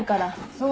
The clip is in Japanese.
そう？